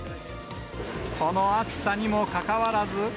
この暑さにもかかわらず。